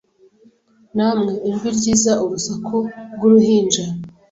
Namwe ijwi ryiza urusaku rwuruhinja